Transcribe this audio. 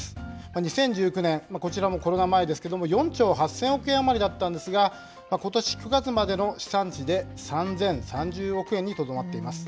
２０１９年、こちらもコロナ前ですけれども、４兆８０００億円余りだったんですが、ことし９月までの試算値で３０３０億円にとどまっています。